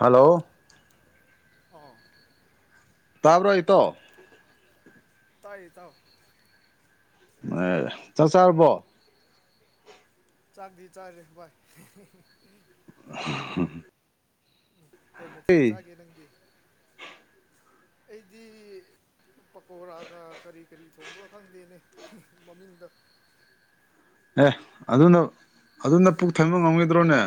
hello ꯑ ꯇꯕ ꯑꯩꯇꯣ ꯇꯥꯏ ꯇꯥꯎ ꯃ ꯆꯆꯥꯔꯔꯕꯣ ꯆꯥꯛꯗꯤ ꯆꯥꯔꯦ ꯚꯏ ꯍꯝ ꯎ ꯀꯩ ꯃꯊꯦꯜ ꯆꯥꯒꯦ ꯅꯪꯗꯤ [unintelligible] ꯑꯩꯗꯤ ꯄꯀꯣꯔꯥꯒ ꯀꯔꯤ ꯀꯔꯤ ꯊꯣꯡꯕ꯭ꯔꯥ ꯈꯪꯗꯦꯅꯦ ꯃꯃꯤꯡꯗ ꯑꯦ ꯑꯗꯨꯅ ꯑꯗꯨꯅ ꯄꯨꯛ ꯊꯟꯕ ꯉꯝꯈꯤꯗ꯭ꯔꯣꯅꯦ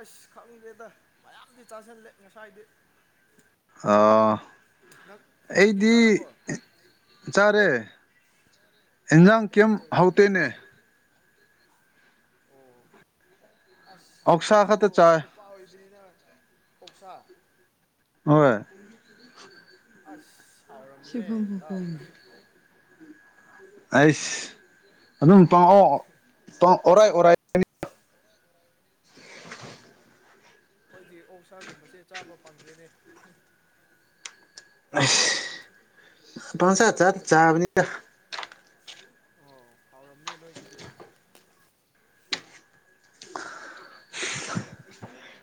ꯑꯁ ꯈꯪꯗꯦꯗ ꯃꯌꯥꯝꯗꯤ ꯆꯥꯥꯁꯜꯂꯦ ꯉꯁꯥꯏꯗꯤ ꯑ ꯅꯪ ꯅꯪꯗꯤ ꯑꯩꯗꯤ ꯆꯥꯔꯕꯣ ꯆꯥꯔꯦ ꯑꯦꯟꯖꯥꯡ ꯀꯩ ꯀꯦꯝ ꯃꯊꯦꯜ ꯆꯥꯒꯦ ꯍꯥꯎꯇꯅꯦ ꯑꯣ ꯑꯁ ꯑꯣꯛꯁꯥ ꯍꯥꯎꯗ꯭ꯔꯁꯨ ꯈꯛꯇ ꯆꯥꯏ ꯅꯨꯄꯥ ꯑꯣꯏꯕꯅꯤꯅ ꯑꯣꯛꯁꯥ ꯍꯣꯏ ꯑ ꯁꯤꯕꯨꯝ ꯐꯐꯝꯅꯤ ꯑꯩꯁ ꯑꯗꯨꯝ ꯄꯥꯡꯑꯣ ꯑꯣꯔꯥꯏ ꯑꯣꯔꯥꯏ [unintelligible] ꯑꯩꯣꯏꯗꯤ ꯑꯣꯛꯁꯥꯒꯨꯝꯕꯁꯦ ꯆꯥꯕ ꯐꯪꯗꯦꯅꯦ ꯄꯪꯁꯥꯠ ꯌꯨꯝꯗ ꯆꯥ ꯂꯩꯇꯕꯒꯤ ꯆꯥꯕꯅꯤ ꯇ ꯑꯣ ꯍꯥꯎꯔꯝꯅꯦ ꯅꯣꯏꯒꯤꯗꯤ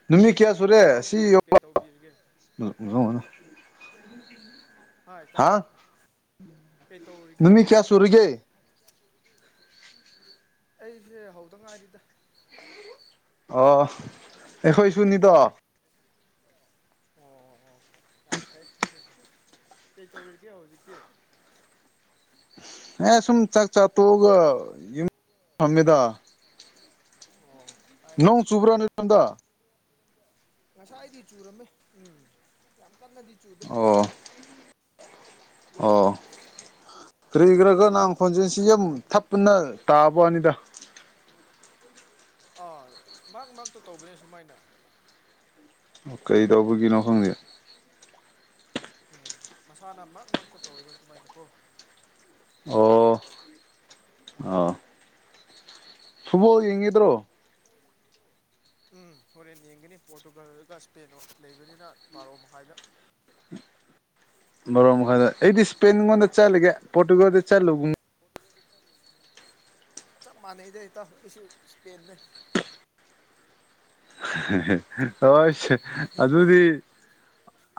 ꯅꯨꯃꯤꯠ ꯀꯌꯥ ꯁꯨꯔꯦ ꯏꯇꯥꯎꯗꯤ ꯁꯤ ꯌ ꯍꯧꯖꯤꯛ ꯀꯩ ꯇꯧꯕꯤꯔꯤꯒꯦ ꯑ ꯇ ꯑꯩ ꯇꯣꯒꯦ ꯅꯨꯃꯤꯠ ꯀꯌꯥ ꯍꯧꯖꯤꯛꯇꯦ ꯁꯨꯔꯒꯦ ꯑꯩꯁꯦ ꯍꯧꯗ ꯉꯥꯏꯔꯤꯗ ꯑ ꯑꯦꯈꯣꯏꯁꯨ ꯅ ꯇ ꯑꯣ ꯑꯣ [unintelligible] ꯌꯥꯝ ꯐꯩ ꯀꯩ ꯇꯧꯔꯤꯒꯦ ꯍꯧꯖꯤꯛꯇꯤ ꯑꯦ ꯁꯨꯝ ꯆꯥꯛ ꯆꯥ ꯇꯣꯛꯑꯒ ꯌꯨꯝ ꯐꯝꯃꯤꯗ ꯑꯣ ꯐꯔꯦ ꯅꯣꯡ ꯐꯔꯦ ꯆꯨꯕ꯭ꯔꯥꯅꯤꯗ ꯉꯁꯥꯏꯗꯤ ꯆꯨꯔꯝꯃꯦ ꯎꯝ ꯌꯥꯝ ꯀꯟꯅꯗꯤ ꯆꯨꯗꯦ ꯑꯣ ꯑꯣ ꯔꯔꯤꯒ꯭ꯔꯒꯅ ꯑꯪ ꯅꯣꯏꯒꯤꯗꯤ ꯈꯣꯟꯖꯁꯤ ꯌꯥꯝ ꯊꯞ ꯄꯨꯅ ꯇꯥꯕꯅꯤꯗ ꯑꯥ ꯃ ꯉꯛꯇ ꯇꯧꯕꯅꯦ ꯁꯨꯃꯥꯏꯅ ꯑꯣ ꯀꯩ ꯇꯧꯕꯒꯤꯅꯣ ꯈꯪꯗꯦ ꯎꯝ ꯃꯁꯥꯅ ꯃꯔꯛ ꯃꯔꯛꯇ ꯇꯧꯔꯤꯕ ꯁꯨꯃꯥꯏꯅꯀꯣ ꯑꯣ ꯐꯨꯕꯣꯜ ꯌꯦꯉꯗ꯭ꯔꯣ ꯎꯝ ꯍꯣꯔꯦꯟ ꯌꯦꯡꯒꯅꯤ ꯄꯣꯔꯇꯨꯒꯥꯜꯒ ꯏꯁꯄꯦꯟ ꯂꯩꯕꯅꯤꯅ ꯕꯥꯔꯣ ꯃꯈꯥꯏꯗ [unintelligible] ꯕꯣꯔꯣ ꯃꯈꯥꯏꯗ ꯑꯩꯗꯤ ꯏꯁꯄꯦꯟꯉꯣꯟꯗ ꯆꯠꯂꯒꯦ ꯄꯣꯔꯇꯨꯒꯥꯜꯗ ꯆꯠꯂꯨꯒꯨꯝ ꯆꯞ ꯃꯥꯟꯅꯩꯗ ꯏ ꯇꯥꯎ ꯑꯩꯁꯨ ꯏꯁꯄꯦꯟꯅꯦ ꯍꯣꯏ ꯑꯗꯨꯗꯤ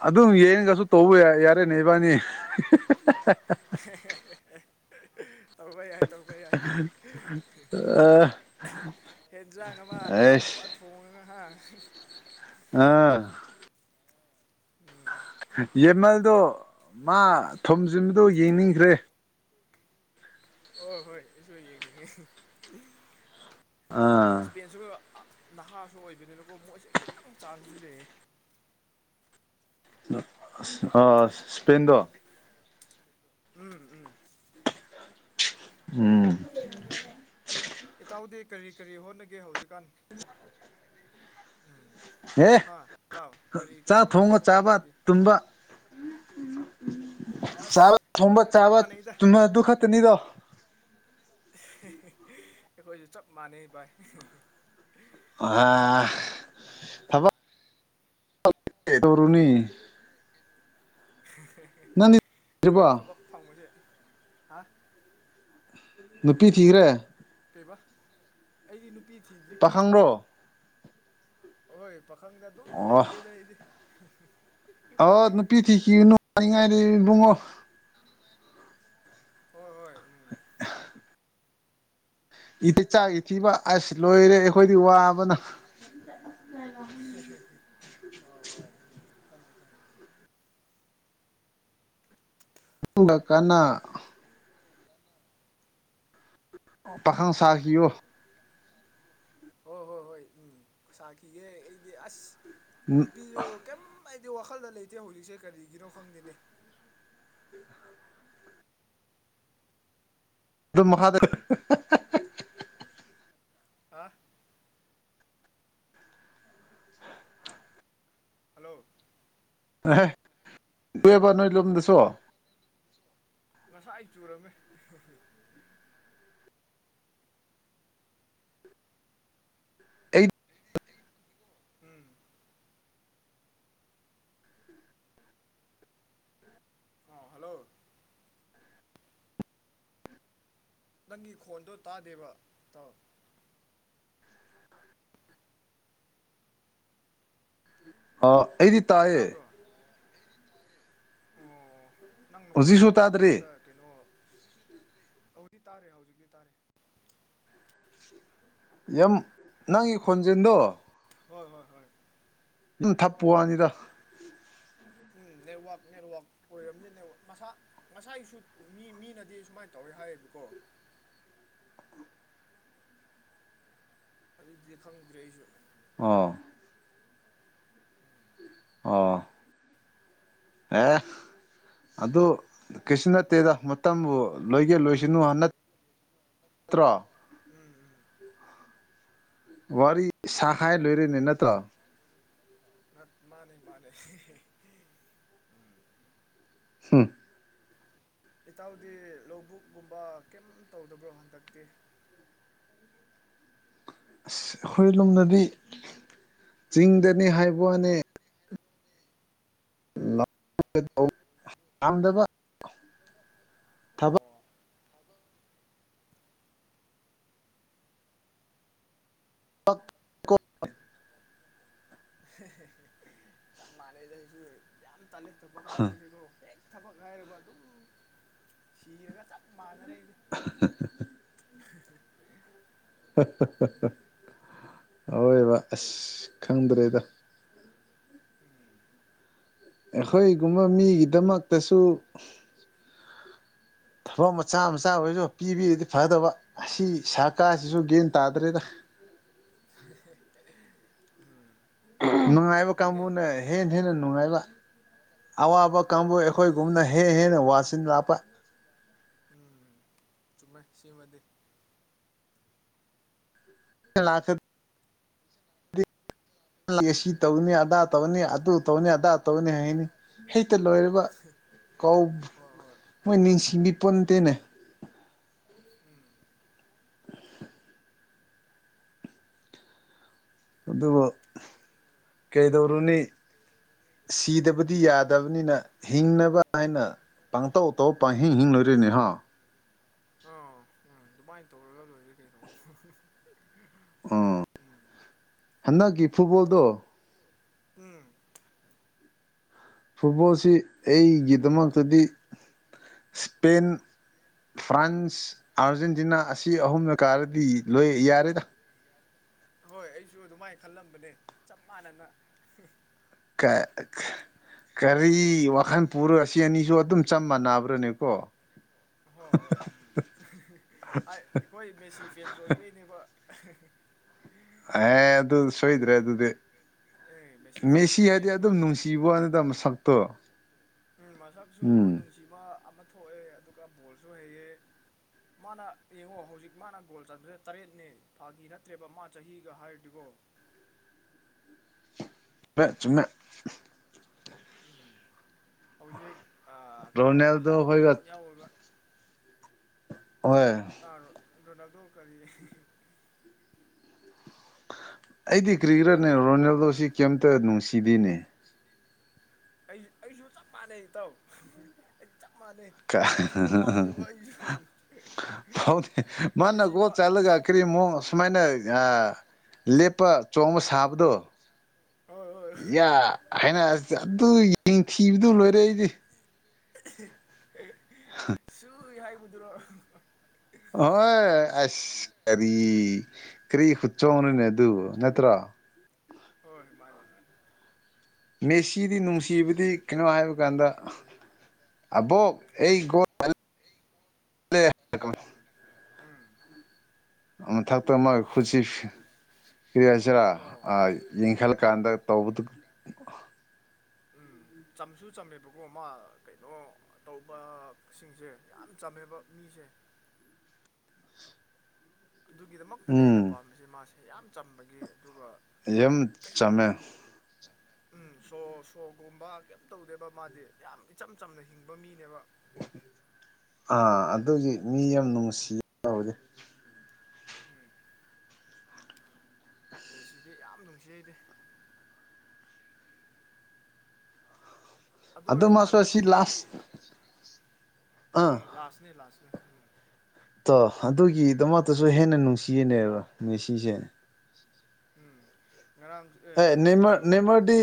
ꯑꯗꯨꯝ ꯌꯦꯡꯒꯁꯨ ꯇꯧꯕ ꯌꯥ ꯑꯩ ꯅꯕꯥꯅꯤ [unintelligible] ꯇꯧꯕ ꯌꯥꯏ ꯑ ꯍꯦꯟꯖꯥꯡ ꯑꯃ ꯑꯍꯥꯎꯕ ꯊꯣꯡꯉꯒꯍꯥꯡ ꯑꯥ ꯎꯝ ꯌꯦꯃꯜꯗꯣ ꯃꯥ ꯊꯣꯝꯖꯤꯟꯕꯗꯣ ꯌꯦꯡꯅꯤꯡꯈ꯭ꯔꯦ ꯑꯣ ꯍꯣꯏꯁꯨ ꯌꯦꯅꯤ ꯑꯥ ꯅꯍꯥꯁꯨ ꯑꯣꯏꯕꯅꯤꯅꯀꯣ ꯃꯣꯏꯁꯦ ꯈꯤꯇꯪ ꯆꯥꯟꯁꯗꯤ ꯂꯩꯑꯦ ꯁꯄꯦꯟꯗ ꯎꯝ ꯎꯝ ꯎꯝ ꯏꯇꯥꯎꯗꯦ ꯀꯔꯤ ꯀꯔꯤ ꯍꯣꯠꯅꯒꯦ ꯍꯧꯖꯤꯛꯀꯥꯟ ꯎꯝ ꯑꯦ ꯍꯥꯥ ꯇꯥꯎ ꯀꯔꯤ ꯆꯥꯛ ꯀꯔꯤ ꯊꯣꯡꯉ ꯍꯣꯠꯅꯒꯦ ꯆꯥꯕ ꯅꯪꯗꯤ ꯇꯨꯝꯕ ꯆꯥꯕ ꯑꯁ ꯊꯣꯡꯕ ꯑꯩꯈꯣꯏꯁꯨ ꯆꯞ ꯆꯥꯕ ꯃꯥꯟꯅꯩꯗ ꯆꯨꯝꯕ ꯑꯗꯨ ꯈꯛꯇꯅꯤꯗꯣ ꯑꯩꯈꯣꯏꯁꯨ ꯆꯞ ꯃꯥꯟꯅꯩ ꯚꯥꯏ ꯑ ꯐꯕ ꯇꯔꯨꯅꯤ ꯍꯣꯏ ꯊꯤꯔꯕꯣ ꯊꯕꯛ ꯐꯪꯕꯁꯦ ꯍꯥ ꯅꯨꯄꯤ ꯊꯤꯈ꯭ꯔꯦ ꯀꯩꯕꯥ ꯑꯩꯗꯤ ꯅꯨꯄꯤ ꯊꯤꯗ꯭ꯔꯤ ꯄꯥꯈꯪꯔꯣ ꯍꯣꯏ ꯄꯥꯈꯪꯗ ꯑꯗꯨꯝ ꯂꯩꯔꯒꯦꯗ ꯑꯩꯗꯤ ꯑ ꯅꯨꯄꯤ ꯊꯤ ꯀ ꯅꯨꯅꯨꯡꯉꯅꯤꯡꯉꯥꯏꯗꯤ ꯨꯡꯉꯣ ꯍꯣꯏ ꯍꯣꯏ ꯎꯝ [unintelligible] ꯏꯗꯤ ꯆꯥꯛ ꯏ ꯊꯤꯕ ꯑꯁ ꯂꯣꯏꯔꯦ ꯑꯩꯈꯣꯏꯗꯤ ꯋꯥꯕꯅ ꯍ ꯍ ꯎꯝ ꯐꯉꯦ ꯊꯉꯦ ꯏꯕꯀ ꯄꯥꯈꯟ ꯁꯥꯀꯤꯣ ꯍꯣꯏ ꯍꯣꯏ ꯍꯣꯏ ꯎꯝ ꯁꯥꯈꯤꯒꯦ ꯑꯩꯗꯤ ꯑꯁ ꯅꯨꯄꯤꯁꯨꯣ ꯀꯩꯝ ꯍꯥꯏꯗꯤ ꯋꯥꯈꯜꯗ ꯂꯩꯇꯦ ꯍꯧꯖꯤꯛꯁꯦ ꯀꯔꯤꯒꯤꯅꯣ ꯈꯪꯗꯦꯅꯦ ꯑꯗꯨꯗꯨ ꯃꯍꯥꯗꯦꯕ ꯑ ꯍꯜꯂꯣ ꯑꯏꯕ ꯅꯣꯏ ꯂꯣꯝꯗꯁꯨ ꯉꯁꯥꯏ ꯑꯩ ꯆꯨꯔꯝꯃꯦ ꯑꯩ ꯎꯝ ꯑ ꯍꯜꯂꯣ ꯅꯪꯒꯤ ꯈꯣꯟꯗꯣ ꯇꯥꯗꯦꯕ ꯇꯥꯎ ꯑ ꯑꯩꯗꯤ ꯇꯥꯏꯌꯦ ꯇꯥꯕ꯭ꯔꯣ ꯑꯣ ꯅꯪ ꯅꯈꯣꯟꯗꯣ ꯍꯧꯖꯤꯛꯁꯨ ꯃꯔꯛ ꯇꯥꯗ꯭ꯔꯤ ꯃꯔꯛꯇ ꯀꯩꯅꯣ ꯍꯧꯖꯤꯛ ꯇꯥꯔꯦ ꯍꯧꯖꯤꯛꯇꯤ ꯇꯥꯔꯦ ꯌꯥꯝ ꯅꯪꯒꯤ ꯈꯣꯟꯖꯦꯜꯗꯣ ꯍꯣꯏ ꯍꯣꯏ ꯍꯣꯏ ꯎ ꯊꯞꯄ ꯋꯥꯅꯤꯗ ꯎꯝ ꯅꯦꯠꯋꯥꯛ ꯅꯦꯠꯋꯥꯛ ꯑꯣꯏꯔꯕꯅꯤ ꯅ ꯃꯁꯥ ꯃꯁꯥꯏꯁꯨ ꯃꯤ ꯃꯤꯅꯗꯤ ꯁꯨꯃꯥꯏꯅ ꯇꯧꯋꯦ ꯍꯥꯏꯌꯦꯕꯀꯣ ꯎꯝ ꯑꯗꯨꯗꯤ ꯈꯪꯗ꯭ꯔꯦ ꯑꯩꯁꯨ ꯑ ꯑꯣ [unintelligible] ꯑꯗꯨ ꯀꯩꯁꯨ ꯅꯠꯇꯦꯗ ꯃꯇꯝꯕꯨ ꯂꯣꯏꯒꯦ ꯂꯣꯏꯁꯅꯨ ꯅ ꯀꯇ꯭ꯔꯥ ꯎꯝ ꯎꯝ ꯋꯥꯔꯤ ꯁꯍꯥꯏ ꯂꯣꯏꯔꯦꯅꯦ ꯅꯠꯇ꯭ꯔ ꯃꯥꯅꯦ ꯃꯥꯅꯦ ꯍꯝ ꯏꯇꯥꯎꯗꯤ ꯂꯧꯕꯨꯛ ꯨꯝꯕ ꯀꯩꯝ ꯇꯧꯗꯕ꯭ꯔꯣ ꯍꯟꯗꯛꯇꯤ ꯑꯁ ꯑꯩꯈꯣꯏ ꯂꯣꯝꯗꯗꯤ ꯆꯤꯡꯗꯅꯤ ꯍꯥꯏꯕꯅꯦ ꯌꯥꯝꯗꯕ ꯊꯕꯛ ꯑꯣ [inaudible] [unintelligible] ꯇꯂꯦ ꯊ ꯄꯕꯥꯥꯏꯒꯁꯦꯒꯣ ꯍꯦꯛ ꯊꯕꯛ ꯉꯥꯏꯔꯕ ꯑꯗꯨꯝ ꯁꯤꯔꯒ ꯆꯞ ꯃꯥꯟꯅꯔꯦꯗꯤ [unintelligible] ꯍꯣꯏ ꯕ ꯑꯁ ꯈꯪꯗ꯭ꯔꯦꯗ ꯎꯝ ꯑꯩꯈꯣꯏꯒꯨꯝꯕ ꯃꯤꯒꯤꯗꯃꯛꯇꯁꯨ [unintelligible] ꯊꯕꯛ ꯃꯆꯥ ꯃꯆꯥ ꯑꯣꯏꯔꯁꯨ ꯄꯤꯕꯤꯔꯗꯤ ꯐꯗꯧꯕ ꯑꯁꯤ ꯁꯔꯀꯥꯔꯁꯤꯁꯨ ꯒ꯭ꯌꯥꯟ ꯇꯥꯗ꯭ꯔꯦꯗ [unintelligible] [unintelligible] ꯅꯨꯡꯉꯥꯏꯕ ꯑꯗꯨꯅꯦ ꯀꯥꯡꯕꯨꯅ ꯍꯦꯟꯅ ꯍꯦꯟꯅ ꯅꯨꯡꯉꯥꯏꯕ ꯑꯋꯥꯕ ꯎꯝ ꯀꯥꯡꯕꯨ ꯑꯋꯥꯕ ꯃꯤ ꯑꯩꯈꯣꯏꯒꯨꯝꯅ ꯍꯦ ꯍꯦꯟꯅ ꯎꯝ ꯋꯥꯁꯤ ꯎꯝ ꯂꯥꯞꯄ ꯎꯝ ꯆꯨꯝꯃꯦ ꯁꯤꯃꯗꯤ ꯂꯥꯁ ꯁꯤ ꯇꯧꯅꯤ ꯑꯗꯥ ꯇꯧꯅꯤ ꯑꯗꯨ ꯇꯧꯅꯤ ꯑꯗꯥ ꯇꯧꯅꯤ ꯍꯥꯏꯅꯤ ꯍꯩꯇ ꯂꯣꯏꯔꯕ ꯀꯧ ꯍꯣꯏ ꯍꯣꯏ ꯃꯣꯏ ꯅꯤꯡꯁꯤꯡ ꯕꯤꯄꯠꯇꯦꯅꯦ ꯎꯝ [unintelligible] ꯑꯗꯨꯒ ꯀꯩꯗꯧꯔꯨꯅꯤ ꯁꯤꯗꯕꯗꯤ ꯌꯥꯗꯕꯅꯤꯅ ꯍꯤꯡꯅꯕ ꯍꯥꯏꯅ ꯄꯥꯡꯇꯧ ꯇꯧ ꯄꯥꯡꯍꯤꯡ ꯍꯤꯡ ꯂꯣꯏꯔꯦꯅꯦ ꯍꯥ ꯑ ꯎꯝ ꯑꯗꯨꯃꯏ ꯇꯧꯔꯒ ꯂꯣꯏꫪ‌ꯦ ꯀꯩꯅꫭ ꯑ ꯍꯟꯗꯛꯀꯤ ꯐꯨꯠꯕꯣꯜꯗꯣ ꯎꯝ ꯐꯨꯠꯕꯣꯜꯁꯤ ꯑꯩꯒꯤꯗꯃꯛꯇꯗꯤ ꯏꯁꯄꯦꯟ ꯐ꯭ꯔꯥꯟꯁ ꯑꯥꯔꯖꯦꯟꯇꯤꯅꯥ ꯑꯁꯤ ꯑꯍꯨꯝꯅ ꯀꯥꯔꯗꯤ ꯂꯣꯏ ꯌꯥꯔꯦꯗ ꯍꯣꯏ ꯑꯩꯁꯨ ꯑꯗꯨꯃꯥꯏꯅ ꯈꯜꯂꯝꯕꯅꯦ ꯆꯞ ꯃꯥꯟꯅꯅ ꯀ ꯀꯔꯤ ꯋꯥꯈꯜ ꯄꯨꯔ ꯁꯤ ꯑꯅꯤꯁꯨ ꯑꯗꯨꯝ ꯆꯞ ꯃꯥꯟꯅꯕ꯭ꯔꯅꯦꯀꯣ ꯍꯣꯏ ꯍꯣꯏ ꯎꯝ ꯑꯩꯈꯣꯏ ꯃꯦꯁꯤ ꯐꯦꯟꯁ ꯑꯣꯏꯕꯩꯅꯦꯕ [unintelligible] ꯑ ꯑꯗꯨ ꯁꯣꯏꯗ꯭ꯔꯦ ꯑꯗꯨ ꯑꯗꯨꯗꯤ ꯑꯦ ꯐꯦꯟꯁ ꯃꯦꯁꯤ ꯍꯥꯏꯗꯤ ꯑꯣꯏꯕꯩꯅꯦꯕ ꯑꯗꯨꯝ ꯑꯩꯈꯣꯏ ꯅꯨꯡꯁꯤꯕ ꯖꯥꯅꯤꯗ ꯃꯁꯛꯇꯣ ꯎꯝ ꯃꯁꯛꯁꯨ ꯎꯝ ꯅꯨꯡꯁꯤꯕ ꯑꯃ ꯊꯣꯛꯑꯦ ꯑꯗꯨꯒ ꯕꯣꯜꯁꯨ ꯍꯩꯌꯦ ꯃꯥꯅ ꯌꯦꯡꯉꯣ ꯍꯧꯖꯤꯛ ꯃꯥꯅ ꯒꯣꯜ ꯆꯟꯗꯦ ꯇꯔꯦꯠꯅꯦ ꯐꯥꯒꯤ ꯅꯠꯇ꯭ꯔꯦꯕ ꯃꯥ ꯆꯍꯤꯒ ꯍꯥꯏꯔꯗꯤꯒꯣ [unintelligible] ꯆꯨ ꯆꯨꯝ‌ꯦ ꯎꯝ ꯍꯧꯖꯤꯛ ꯑ ꯀꯩꯅꯣ ꯑꯍꯟ ꯔꯣꯅꯦꯜꯗꯣ ꯃꯌꯥꯝ ꯍꯣꯏꯒ ꯌꯥꯎꯋ‌ꯦꯕ ꯍꯣꯏ ꯔꫭꯅꯜꯗꫭ ꯀꯔꯤ ꯑꯩꯗꯤ ꯀ꯭ꯔꯤꯒ꯭ꯔꯅꯦ ꯔꯣꯅꯥꯜꯗꯣꯁꯤ ꯀꯩꯝꯇ ꯅꯨꯡꯁꯤꯗꯤꯅꯦ ꯑꯩꯁꯨ ꯑꯩꯁꯨ ꯆꯞ ꯃꯥꯟꯅꯩ ꯏꯇꯥꯎ ꯆꯞ ꯃꯥꯟꯅꯩ ꯅꯨꯡꯁꯤꯕ ꯐꯥꯎꯗꯦꯕ ꯑꯩꯁꯨ ꯃ‌ꯦꯁꯤꯄꯥꯠ ꯑꯒ ꯀ꯭ꯔꯤ ꯃꫭꯡ ꯁꯨꯃꯥꯏꯅ ꯑ ꯂꯦꯞꯄ ꯆꯣꯡꯕ ꯁꯥꯕꯗꯣ ꯍꯣꯏ ꯍꯣꯏ ꯌꯥ ꯍꯥꯏꯅ ꯑꯗꯨ ꯌꯦꯡ ꯊꯤꯕꯗꯨ ꯂꯣꯏꯔꯦ ꯑꯩꯗꯤ ꯁꯨꯏ ꯍꯥꯏꯕꯗꯨꯔꯣ ꯍꯣꯏ ꯑꯁ ꯀꯔꯤ ꯀꯔꯤ ꯈꯨꯠꯆꯣꯡꯅꫭꯅꯦ ꯑꯗꯨ ꯅꯠꯇ꯭ꯔꯣ ꯍꯣꯏ ꯃꯥꯅꯤ ꯃꯥꯅꯤ ꯃꯦꯁꯤꯗꯤ ꯅꯨꯡꯁꯤꯕꯗꯤ ꯀꯩꯅꯣ ꯍꯥꯏꯕ ꯀꯥꯟꯗ ꯑꯕꯣꯛ ꯑꯩ ꯒꫭꯜ ꯆꯜ ꯂ‌ꯦ ꯂ‌ꯦ ꯍꯥꯏꯀꫭ ꯎꯝ ꯑ ꯃꯊꯛꯇ ꯃ ꯈꯨꯠꯁꯤ ꯀ ꯍꯥꯏꯁꯤꯔꯥ ꯑꯣ ꯃꯥ ꯌꯦꯡꯈꯂꯀꯥꯟꯗ ꯇꯧꯕꯗꯨ ꯎꯝ ꯆꯝꯁꯨ ꯆꯝꯃꯦꯕꯀꯣ ꯃꯥ ꯀꯩꯅꯣ ꯇꯧꯕ ꯁꯤꯡꯁꯦ ꯌꯥꯝ ꯆꯝꯃꯦꯕ ꯃꯤꯁ [unintelligible] [unintelligible] ꯑꯗꯨꯒꯤꯗꯃꯛꯇꯅꯦ ꯑꯩꯅ ꯎꯝ ꯄꯥꯝꯃꯤꯁꯦ ꯃꯥꯁꯦ ꯌꯥꯝ ꯆꯝꯕꯒꯤ ꯑꯗꯨꯒ ꯌꯥꯝꯦꯝ ꯀꯩꯝ ꯆꯃꯦ ꯎꯝ ꯁꯣ ꯁꯣꯒꯨꯝꯕ ꯀꯩꯝ ꯇꯧꯗꯦꯕ ꯃꯥꯗꯤ ꯌꯥꯝ ꯏꯆꯝ ꯆꯝꯅ ꯍꯤꯡꯕ ꯃꯤꯅꯦꯕ ꯑꯥ ꯑꯗꯨꯗꯤ ꯃꯤ ꯌꯥꯝ ꯅꯨꯡꯁꯤ ꯇꯦ ꯎꯝ ꯑꯦ ꯁꯤꯗꯤ ꯌꯥꯝ ꯅꯨꯡꯁꯤꯩꯗ ꯑꯗꯨ ꯑꯣꯏꯔꯁꯨ ꯃꯥꯁꯨ ꯑꯁꯤ ꯍꯟꯗꯛꯇꯤ ꯑꯩ ꯂꯥꯁ ꯎꯝ ꯑꯥ ꯂꯥꯁꯅꯦ ꯂꯥꯁꯅꯦ ꯎꯝ ꯇꯣ ꯑꯗꯨꯒꯤꯗꯃꯛꯇꯁꯨ ꯍꯦꯟꯅ ꯅꯨꯡꯁꯤꯅꯦꯔꯣ ꯉꯁꯤꯁꯦꯅꯦ ꯎꯝ ꯉꯔꯥꯡ ꯑꯦ ꯅꯃ ꯉꯁꯤꯁꯨ ꯅꯦꯃꯗꯤ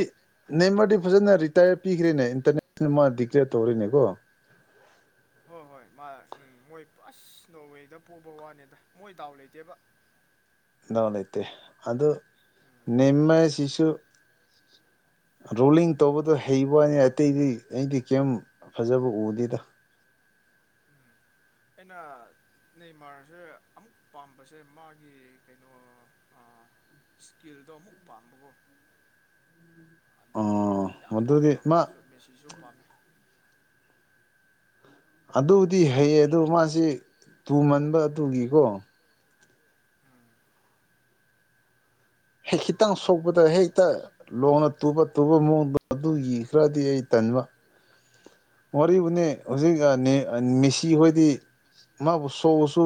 ꯅꯦꯃꯗꯤ ꯐꯖꯅ ꯔꯤꯇꯥꯌꯔ ꯄꯤꯈ꯭ꯔꯦꯅꯦ ꯏꯟꯇꯔꯅꯦꯁꯅꯦꯜ ꯃꯥ ꯗꯤꯀ꯭ꯂꯦꯌꯔ ꯇꯧꯔꯤꯅꯦ ꯀꯣ ꯍꯣꯏ ꯍꯣꯏ [unintelligible] ꯃꯥ ꯎꯝ ꯃꯣꯏ ꯐꯁ ꯅꯣꯔꯋꯦꯗ ꯄꯣꯛꯕ ꯋꯥꯅꯦꯗ ꯃꯣꯏ ꯗꯥꯎ ꯂꯩꯇꯦꯕ ꯅꯧꯎ ꯂꯩꯩꯇꯩ ꯑꯗ ꯎꯝ ꯅꯦꯝꯃ ꯁꯤꯁꯨꯨ ꯔꯣꯂꯤꯡ ꯇꯧꯕꯗꯣ ꯍꯩꯕꯅꯤ ꯑꯇꯩꯗꯤ ꯑꯩꯗꯤ ꯀꯩꯝ ꯐꯖꯕ ꯎꯗꯦꯗ ꯎꯝ ꯑꯩꯅ ꯅꯦꯃꯥꯔꯁꯦ ꯑꯃꯨꯛ ꯄꯥꯝꯕꯁꯦ ꯃꯥꯒꯤ ꯀꯩꯅꯣ ꯏꯁꯀꯤꯜꯗꯣ ꯑꯃꯨꯛ ꯄꯥꯡꯕꯕꯨꯣ ꯎꯝ ꯑꯗꯨꯒꯤ ꯌꯥꯝ ꯄꯥꯝꯃꯦꯕ ꯃꯥꯁꯨ ꯃꯦꯁꯤꯁꯨ ꯄꯥꯝꯃꯦ ꯑꯗꯨꯕꯨꯗꯤ ꯍꯩꯌꯦ ꯑꯗꯨ ꯃꯥꯁꯤ ꯇꯨꯃꯟꯕ ꯇꯨꯒꯤꯀꯣ ꯎꯝ ꯍꯦꯛ ꯈꯤꯇꯪ ꯁꯣꯛꯄꯗ ꯍꯦꯛꯇ ꯂꯣꯡꯅ ꯇꯨꯕ ꯇꯨꯕ ꯃꯑꯣꯡꯗ ꯑꯗꯨ ꯏꯈ꯭ꯔꯗꯤ ꯑꯩ ꯇꯟꯕ ꯎꯝ ꯋꯥꯔꯤꯔꯤꯕꯅꯤ ꯍꯧꯖꯤꯛ ꯃꯤꯦꯁꯤ ꯍꯣꯏꯗꯤ ꯃꯥꯕꯨ ꯁꯧꯁꯨ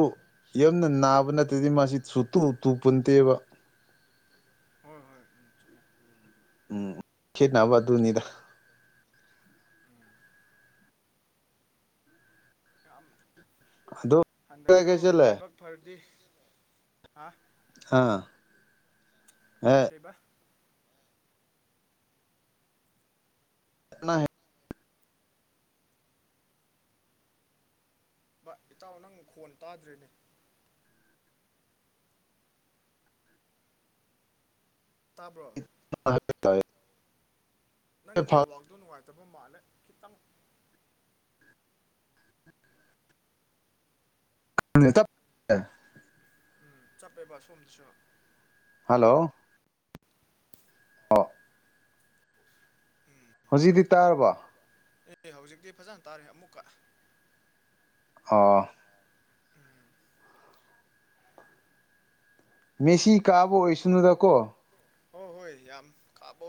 ꯌꯥꯝꯅ ꯅꯥꯕ ꯅꯠꯇ꯭ꯔꯗꯤ ꯃꯥꯁꯤꯨ ꯇꯨ ꯄꯨꯟꯗꯦꯕ ꯍꯣꯏ ꯍꯣꯏ ꯆꯨꯝꯃꯦ ꯑꯗꯨꯕꯨꯗꯤ ꯎꯝ ꯈꯦꯠꯅꯕ ꯑꯗꯨꯅꯤꯗ ꯎꯝ ꯌꯥꯝ ꯑꯗꯣ ꯀꯥꯏ ꯍꯟꯗꯛꯁꯨ ꯀꯥꯏ ꯆꯠꯂꯦ ꯂꯥꯏꯕꯛ ꯐꯔꯗꯤ ꯍꯥ ꯍꯥꯥ ꯀ ꯀꯩꯕ ꯀꯅꯥ ꯍꯥꯏ ꯚ ꯏꯇꯥꯎ ꯅꯪ ꯈꯣꯟ ꯇꯥꯗ꯭ꯔꯤꯅꯦ ꯇꯔꯕ ꯇ ꯅꯪ ꯅꯦꯠꯋꯥꯛꯗꯣ ꯅꯨꯡꯉꯥꯏꯇꯕ ꯃꯥꯜꯂꯦ ꯈꯤꯇꯪ [unintelligible] ꯎꯝ ꯆꯞꯄꯦꯕ ꯁꯣꯝꯗꯁꯨ ꯍꯜꯂꯣ ꯑ ꯎꯝ ꯁꯤꯖꯤꯗꯤ ꯇꯥꯔꯕ ꯑꯦ ꯍꯧꯖꯤꯛꯇꯤ ꯐꯖꯅ ꯇꯥꯔꯦ ꯑꯃꯨꯛꯀ ꯑ ꯎꯝ ꯃꯦꯁꯤ ꯀꯥꯕꯨꯣ ꯑꯣꯏ ꯁꯅꯨꯗ ꯀꯣ ꯑꯣ ꯍꯣꯏ ꯌꯥꯝ ꯀꯥꯕꯁ